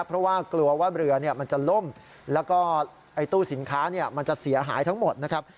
เพราะว่ากลัวว่าเรือมันจะล่มแล้วก็ตู้สินค้ามันจะเสียหายทั้งหมดนะครับ